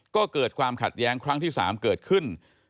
ก็เกิดความขัดแย้งครั้งที่๓เกิดขึ้น